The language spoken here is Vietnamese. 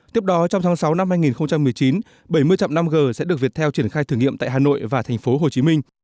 tiếp đó trong tháng sáu năm hai nghìn một mươi chín bảy mươi chạm năm g sẽ được viettel triển khai thử nghiệm tại hà nội và thành phố hồ chí minh